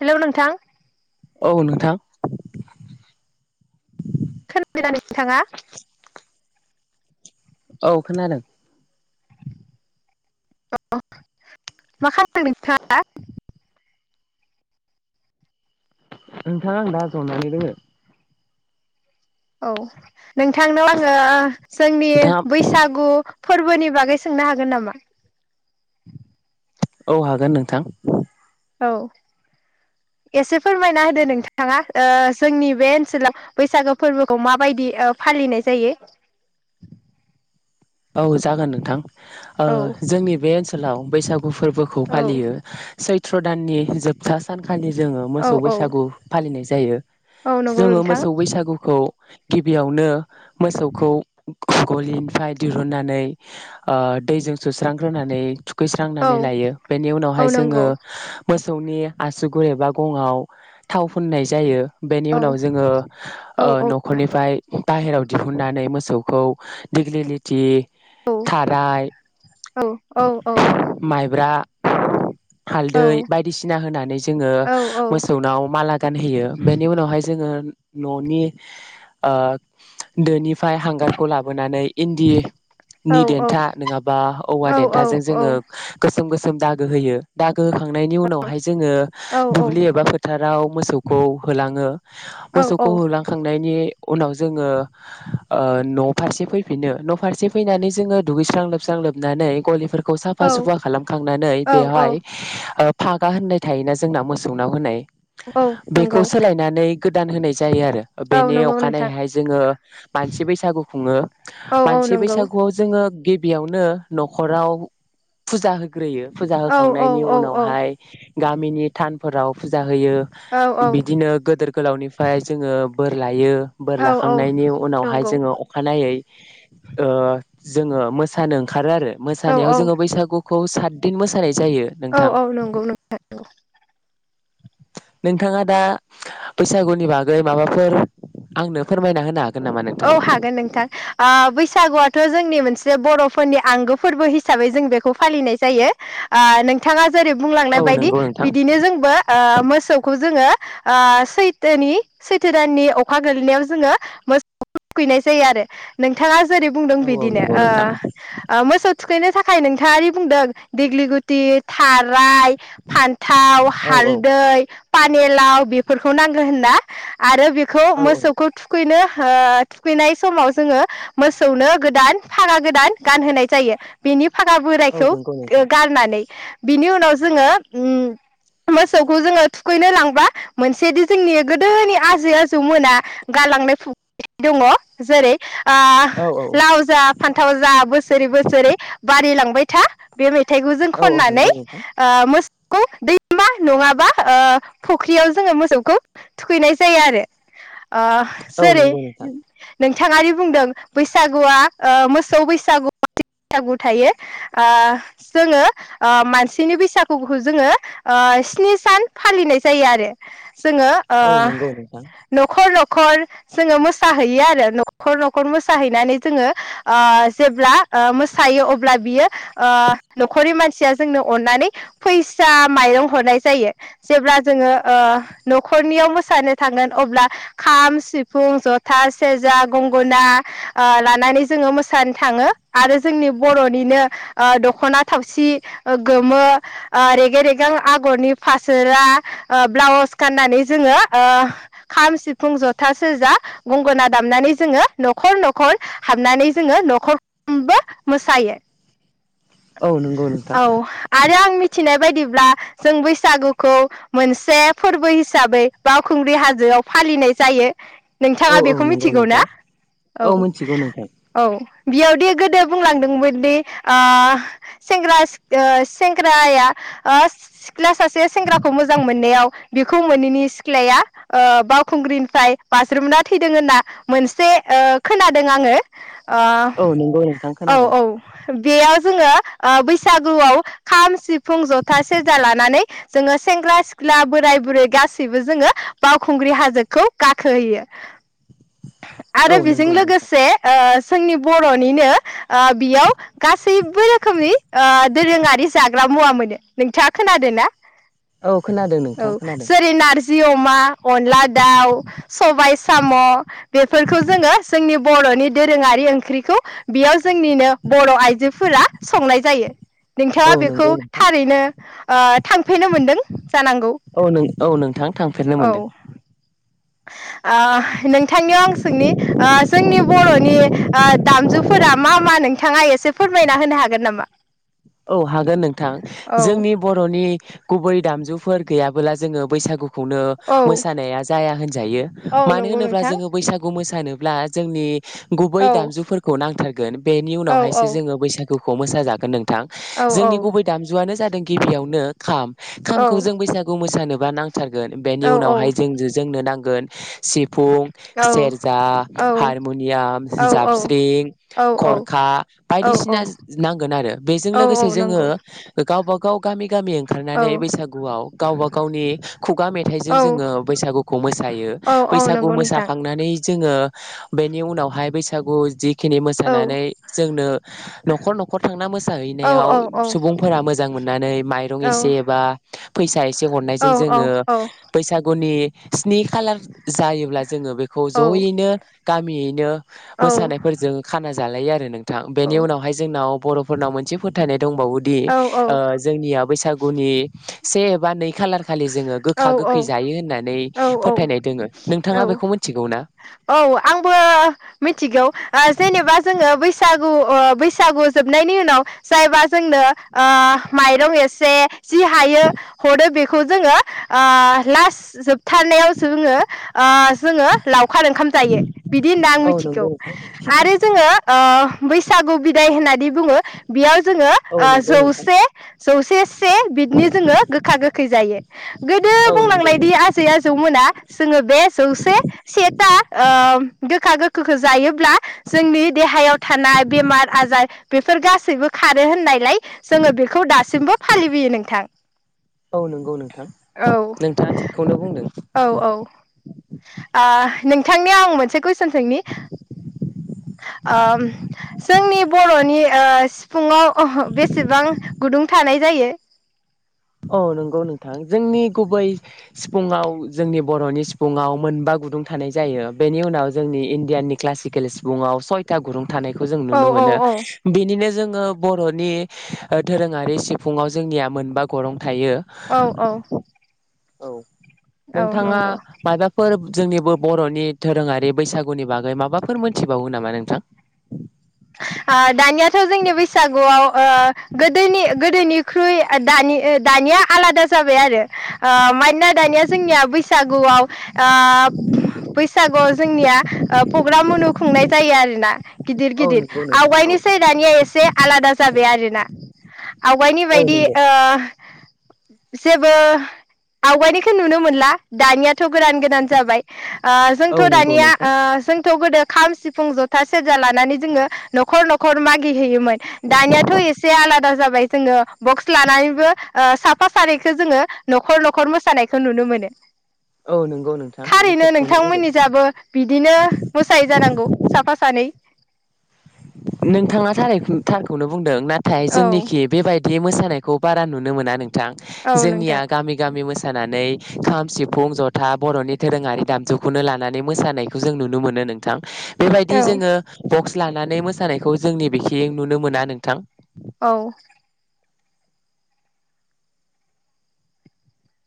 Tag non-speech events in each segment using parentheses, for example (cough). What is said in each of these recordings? Hello नोंथां। औ नोंथां। खोनादोंना ना नोंथाङा? औ खोनादों। मा खमदो नोंथाङा? नोंथा आं दा जनानै दोङो। औ नोंथांनाव आङो जोंनि नोंथाङा बैसागु फोरबोनि बागै सोंनो हागोन नामा औ हागोन नोंथां औ एसे फोरमायना होदो नोंथाङा ओ जोंनि बे ओनसोलाव बैसागो फोरबोखौ माबायदि ओ फालिनाय जायो औ जागोन नोंथां ओ औ जोंनि बे ओनसोलाव बैसागु फोरबोखौ औ फालियो सै त्र दाननि जोबथा सान खालि जोङो औ मोसौ औ बैसागु फालिनाय जायो औ नंगौ जोङो नोंथां मोसौ बैसागुखौ गिबियावनो मोसौखौ गलिनिफ्राय नानै ओ दैजों सुस्रांग्रोनानै औ थुखैस्रांनानै लायो बेनि औ उनावहाय जोङो नंगौ मो सौनि आसुगुर एबा गङआव थाव फुननाय जायो बेनि औ उनाव जोङो औ ओ औ न'खरनिफ्राय बाहेरायाव दिहुननानै मोसौखौ दिग्लि थि औ थाराय औ माइब्रा औ हालदै बायदिसिना होनानै जोङो औ मोसौनाव माला गानहोयो बेनि उनावहाय जोङो न'नि ओ दोनिफ्राय हांगारखौ लाबोनानै औ इन्दिनि देनथा नङाबा औवा औ देनथाजों जोङो गोसोम गोसोम दा गो होयो दा गो खांनायनि उनावहाय जोङो दुब्लि एबा फोथाराव मोसौखौ होलाङो मोसौखौ होलांखांनायनि उनाव जोङो ओ न' फारसे फै फिनो न' फारसे फैनानै जोङो दुगैस्रां लोबस्रां लोबनानै गलिफोर खौ औ साफा सुफा खालामखांनानै औ औ बेवहाय ओ फागा होननाय थायोना जोंनाव मोसौनाव होनाय औ नंगौ बेखौ सोलायनानै गोदान होनाय जायो आरो औ बेनि नंगौ नोंथां अखानायैहाय जोङो मानसि बैसागु खुङो औ औ मानसि नंगौ बैसागुआव जोङो गिबियावनो नखराव फुजा हो ग्रोयो फुजा औ औ होखांनायनि औ उनावहाय गामिनि थानफोराव फुजा होयो औ बिदिनो गोदोर गोलावनिफ्राय जोङो बोर लायो बोर औ औ लाखांनायनि उनावहाय नंगौ जोङो अखानायै ओ‌ जोङो मोसानो ओंखारो आरो औ मोसानायाव औ जोङो बैसागु खौ सातदिन मोसानाय जायो औ नोंथां औ नंगौ नंगौ नोंथाङा दा बैसागुनि बागै माबाफोर आंनो फोरमायना होना औ हागोन नोंथां ओ बैसागुआथ' जोंनि मोनसे बर'फोरनि आंगो फोरबो हिसाबै जों बेखौ फालिनाय जायो ओ नोंथाङा जेरै औ बुंलांनाय बायदि नंगौ नोंथां बिदिनो जोंबो ओ मोसौखौ जोङो ओ सैथोनि सैथो दाननि अखा गोलैनायाव जोङो (unintelligible) खैनाय जायो आरो नोंथाङा जेरै बुंदों औ औ बिदिनो नंगौ नोंथां ओ मोसौ थुखैनो थाखाय नोंथाङादि बुंदों दिग्लिगुटि थाराय फान्थाव औ औ हालदै पानिलाव बेफोरखौ नांगौ होनना आरो खौ औ औ मोसौखौ थुखैनो थुखैनाय समाव जोङो मोसौनो गोदान फारा गोदान गानहोनाय जायो बेनि हागा औ बोरायखौ नंगौ नोंथां गारनानै बिनि उनाव जोङो मोसौखौ जोङो थुखैनो लांबा मोनसेदि जोंनि गोदोनि आजै आजौ मोना गालांनाय दङ जेरै ओ औ औ लाव जा फान्थाव जा बोसोरै बोसोरै बारिलांबाय बाय था बेबाय थाइखौ जों औ औ खननानै नंगौ नोंथां दैमा नङाबा ओ फख्रियाव जोङो मोसौखौ थुखैनाय जायो आरो ओ औ सार नंगौ नोंथां नों बिथाङारि बुंदों बैसागुआ ओ मोसौ बैसागु बैसागु थायो जोङो मानसिनि बैसागुखौ ओ जोङो स्नि सान फालिनाय जायो आरो जोङो ओ औ नंगौ नोंथां न'खर न'खर कल जोङो मोसाहैयो आरो न'खर न'खर मोसाहैनानै जोङो ओ जेब्ला ओ मोसायो अब्ला बियो ओ न'खरनि मानसिया जोंनो अननानै फैसा माइरं हरनाय जायो जेब्ला जोङो ओ न'खरनियाव मोसानो थांगोन अब्ला खाम सि फुं जथा सेरजा गंगना ओ लानानै जोङो मोसानो थाङो आरो जोंनि बर'निनो ओ दख'ना थावसि गोमो ओ रेगें रेगें आगरनि फासोरा ओ ब्लाउस गाननानै जोङो खाम सिफुं जथा सोजा गंगोना दामनानै जोङो न'खर न'खर हाबनानै जोङो न'खरबो मोसायो औ नंगौ नोंथां औ आरो आं मिथिनाय बायदिब्ला जों बैसागुखौ मोनसे फोरबो हिसाबै बावखुंग्रि हाजोआव फालिनाय जायो। औ नोंथाङा औ बेखौ नंगौ मिथिगौ ना नोंथां औ मिथिगौ नोंथां औ। बियावदि गोदो बुंलांदोंमोनदि ओ सेंग्रा सेंग्राया सिख्ला सासे सेंग्राखौ मोजां मोननायाव बिखौ मोनैनि सिख्लाया ओ बावखुंग्रिनिफ्राय बाज्रुमना थैदों होनना मोनसे ओ खोनादों आङो औ नंगौ नोंथां ओ खोनादों औ औ। बेयाव जोङो ओ बैसागुआव खाम सिफुं जथा सेरजा लानानै जोङो सेंग्रा सिख्ला बोराय बुरै गासैबो जोङो बावखुंग्रि हाजोखौ गा खोयो औ आरो बेजों नंगौ नोंथां लोगोसे ओ जोंनि बर'निनो ओ बेयाव गासैबो रोखोमनि ओ दोरोङारि जाग्रा मुवा मोनो नोंथाङा खोनादों ना? औ खोनादों नोंथां खोनादों। जि अमा अनला दाउ सबाय साम' बेफोरखौ जोङो जोंनि बर'नि दोरोङारि ओंख्रिखौ बेयाव जोंनिनो बर' आइजोफोरा संनाय जायो। औ नोंथाङा बेखौ नंगौ नोंथां थारैनो ओ थांफैनो मोनदों जानांगौ औ औ नोंथां थांफेरनो औ। मोनदों ओ नोंथांनियाव आं सोंनि जोंनि बर'नि ओ दामजुफोरा मा मा नोंथाङा एसे फोरमायना होनो हागोन नामा? औ हागोन नोंथां औ जोंनि बर'नि गुबै दामजुफोर गैयाबोला जोङो बैसागु खौनो औ मोसानायानो जाया होनजायो औ मानो नंगौ होनोब्ला नोंथां जों बैसागु मोसा सानोब्ला जोंनि गुबै औ दामजुफोरखौ नांथारगोन गोन बेनि औ उनावहायसो औ जोङो बैसागु खौ मोसा जागोन नों थां औ औ जोंनि गुबै दामजुआनो जादों। गिबियावनो खाम औ खामखौ जों बैसागु मोसानो बा नां थारगोन बेनि औ उनावहाय जों जोंनो नांगो गोन सिफुं फुं औ सेरजा हारमुनियाम जाबस्रिं खरखा औ बायदिसिना नांगोन आरो। बेजों औ औ लोगोसे जोङो नंगौ गावबा गाव गामि गामि औ ओंखारनानै बैसागुआव गावबा गावनि खुगा मेथाइजों औ जोङो बैसागुखौ मोसायो औ औ बैसागु नंगौ नोंथां मोसाखांनानै जोङो बेनि उनावहाय बैसागु जिखिनि औ मोसानानै जोंनो न'खर न'खर थांना मोसा औ जाहैनायाव औ औ सुबुंफोरा मोजां मोजां मोननानै माइरं औ एसे बा फैसा एसे औ हरनायजों औ जोङो बैसागुनि स्नि खालार जायोब्ला जोङो बेखौ जयैनो गामियैनो मोसानायफोरजों खाना जालायो आरो नों थां बेनि उनावहाय जोंनाव बर' फोरनाव मोनसे फोथायनाय दंबावोदि ओ जोंनिया बैसागुनि से बा नै खालार खालि जोङो गोखा गोखै जायो होननानै औ औ फोथायनाय दोङो नोंथाङा औ बेखौ मिथिगौ ना? औ आंबो मिथिगौ जेनेबा जोङो बैसाग बैसागु बैसागु जोबनायनि उनाव जायबा जोंनो ओ माइरं एसे जि हायो हरो बेखौ जोङो लास जोबथा थानायावसो जोङो ओ जोङो लावखार ओंखाम जायो बिदि होनना आं औ मिथिगौ नंगौ नोंथां आरो जोङो ओ बैसागु बिदाय होननानै बुङो बेयाव जोङो औ नंगौ नोंथां जौसे जौसे से बिदनो जोङो गोखा गोखै जायो गोदो औ नंगौ बुंलांनायदि नोंथां आजै आजौमोना जोङो बे जौसे सेथा गोखा गोखैखौ जायोब्ला जोंनि देहायाव थानाय बेमार आजार बेफोर गासैबो खारो होननायलाय जोङो बेखौ दासिमबो फालिबोयो नोंथां औ नंगौ नोंथां औ नोंथाङा थिखौनो औ औ ओ नोंथांनियाव आं मोनसे कुइसन सोंनि ओ जोंनि बर'नि सिफुुङाव अह बेसेबां गुदुं थानाय जायो औ नंगौ नोंथां जोंनि गुबै सिफुङाव जोंनि बर'नि सिफुङाव मोनबा गुदुं थानाय जायो बेनि उनाव जोंनि इण्डियाननि क्लासिकेल सिफुुयाव सयथा गुदुं थानायखौ जों औ नुनो औ मोनो औ बेनिनो जोङो बर'नि दोरोङारि सिफुाव जोंनि मोनबा गरं थायो औ औ औ औ नोंथाङा नंगौ मायबाफोर जोंनिबो बर'नि दधोरोङारि बैसागुनि बागै माबाफोर मोनथिबावो नामा नोंथां दानियाथ' जोंनि बैसागुआव गोदोनि गोदोनिख्रुइ दा-दानिया आलादा जाबाय आरो ओ मानोना दानिया जोंनिया बैसागुआव बैसागुआव जोंनिया प्रग्राम मनु खुंनाय जायो आरोना गिदिर औ गिदिर नंगौ नोंथां औ आवगायनोसै दानिया एसे आलादा जागाय बे आरोना आवगायनि औ बायदि नंगौ ओ जेबो आवगायनायखौ नुनो मोनला दानिया थ गोदान गोदान जाबाय ओ औ जोंथ' नंगौ दानिया नोंथां ओ जोंथ' गोदो खाम सिफुं जथा सेरजा लानानै जोङो न'खर न'खर मागि हैैयोमोन दानियाथ' एसे आलादा जाबाय जोङो बक्स लानानैबो ओ साफा सानैखो जोङो न'खर न'खर मोसानायखौ नुनो मोनो औ नंगौ नोंथां नों थारैनो थिगखौनो बुंदों। नोंथांमोननि जाबो बिदिनो मोसायो जानांगौ साफा सानै नोंथाङा थार थारखौनो बुंदों ना नाथाय औ जोंनिखि बेबायदि मोसानाय खौ बारा नुनो मोना नों थां‌ औ जोंनिया नोंथां गामि गामि मोसा मोसानानै खाम सिफुं जथा बर'नि दोरोङारि दामजुखौनो लानानै मोसानायखौ जों नुनो मोनो नोंथां बेबायदि औ जोङो बक्स लानानै मो खौ जोंनि बेखै नुनो मोना नोंथां औ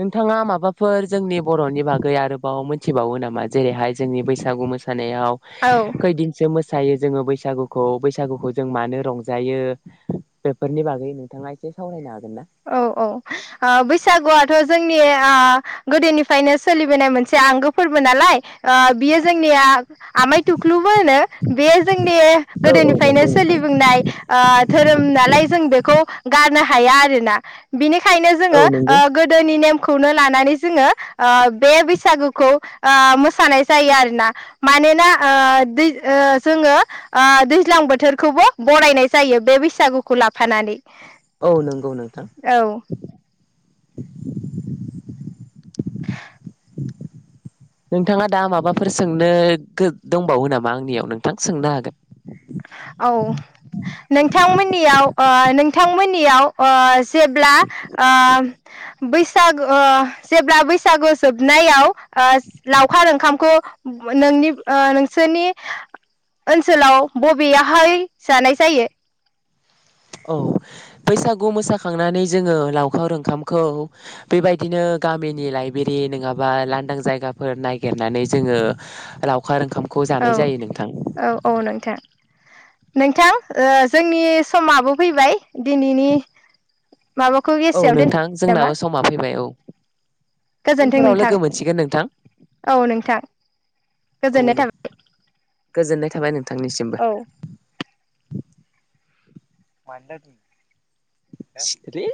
नोंथाङा माबाफोर जोंनि बर'नि बागै आरोबाव मोन मिथिबावो नामा जेरैहाय जोंनि बैसागु‌ मोसानाय नायाव‌ औ खैदिनसो मोसा मोसायो जोङो बैसागुखौ बैसागुखौ जों मानो रंजायो बेफोरनि बागै नोंथाङा एसे सावरायनो हागोन ना? औ औ ओ बैसागुआथ' जोंनि ओ गोदोनिफ्रायनो सोलिबोनाय मोनसे आंगो फोरबो नालाय ओ बियो जोंनिया आमाय थुख्लुबो होनो बेयो जोंनि औ औ गोदोनिफ्रायनो नंगौ ओ नोंथां। सोलिबनाय धोरोम नालाय जों बेखौ गारनो हाया आरो ना बिनि बिनिखायनो औ जोङो नंगौ गोदोनि नेम खौनो लानानै जोङो ओ बे बैसागुखौ ओ मोसानाय जायो आरोना मानोना ओ दै जोङो ओ दैज्लां बोथोरखौबो बरायनाय जायो बे बैसागुखौ लाफानानै औ नों गौ नोंथां औ नोंथाङा दा माबाफोर सोंनो दंबावो नामा आंनियाव नोंथां सोंनो हागोन औ नोंथांमोननियाव ओ नोंथांमोननियाव ओ जेब्ला ओ बैसागु ओ जेब्ला बैसागु ओ जोबनायाव ओ लावखार ओंखामखौ नोंनि नोंसोरनि ओनसोलाव बबेयाहाय जानाय जायो औ बैसागु मोसाखांनानै जोङो लावखार ओंखामखौ बेबायदिनो गामिनि लाइब्रेरि नङाबा लांदां जायगाफोर नायागिरनानै जोङो लावखार खार ओंखामखौ औ जानाय जायो नोंथां औ औ नोंथां नोंथां जोंनि समाबो फैबाय दिनैनि माबाखौ औ एसेयाव दोन नोंथां नामा जोंनाबो समा फैबाय औ गोजोन्थों उनफोराव नोंथां लोगो मोनसिगोन नोंथां औ नोंथां औ गोजोननाय दे थाबाय गोजोननाय थाबाय नों थांनिसिमबो औ (inaudible)